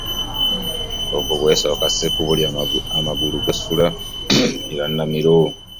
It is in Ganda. Okubwesooka si kubulya amagulu gasula mirannamiro.